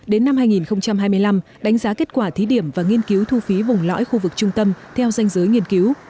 đến năm hai nghìn hai mươi năm đánh giá kết quả thí điểm và nghiên cứu thu phí vùng lõi khu vực trung tâm theo danh giới nghiên cứu